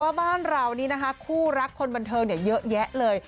ว่าบ้านเรานี่นะคะคู่รักคนบันเทิงเยอะแยะเลย